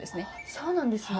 そうなんですね。